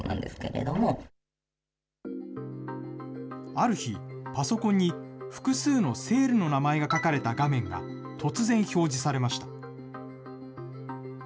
ある日、パソコンに複数のセールの名前が書かれた画面が突然表示されました。